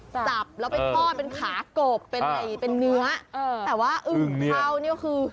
จับแล้วไปทอดเป็นขากบเป็นอะไรอย่างนี้เป็นเนื้อแต่ว่าอึ่งเผ่านี่ก็คือ